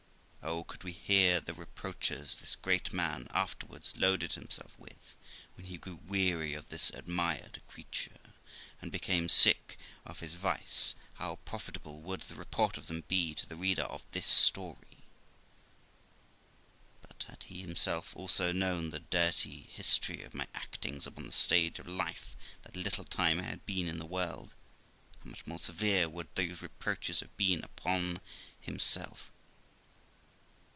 Oh! could we hear the reproaches this great man afterwards loaded himself with, when he grew weary of this admired creature, and became sick of his vice, how profitable would the report of them be to the reader of this story! But, had he himself also known the dirty history of my actings upon the stage of life that little time I had been in the world, how much more severe would those reproaches have been upon himself!